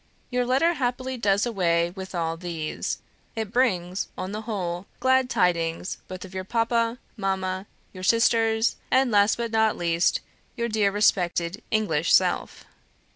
Your letter happily does away with all these; it brings, on the whole, glad tidings both of your papa, mama, your sisters, and, last but not least, your dear respected English self.